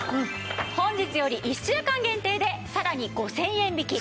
本日より１週間限定でさらに５０００円引き。